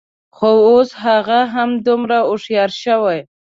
خو، اوس هغه هم همدومره هوښیاره شوې